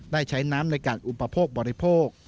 ได้ใช้น้ำในการอุปโภคบริโภค